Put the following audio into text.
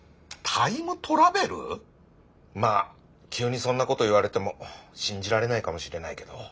まあ急にそんなこと言われても信じられないかもしれないけど。